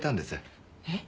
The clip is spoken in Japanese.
えっ？